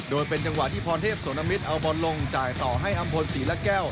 โดยเป็นจังหวะที่พรเทพสวนมิตรเอาบอลลงจ่ายต่อให้อำพลศรีละแก้ว